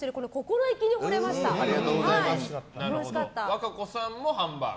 和歌子さんもハンバーグ？